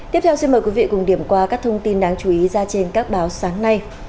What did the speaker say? tiếp theo xin mời quý vị cùng điểm qua các thông tin đáng chú ý ra trên các báo sáng nay